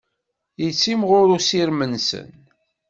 Yettimɣur usirem-nsen.